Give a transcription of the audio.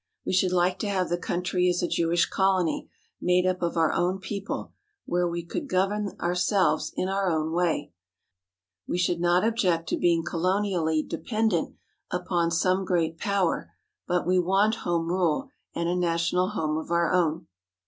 We should like to have the country as a Jewish colony, made up of our own peo ple, where we could govern ourselves in our own way. We should not object to being colonially dependent upon some great power, but we want home rule and a national home of our own."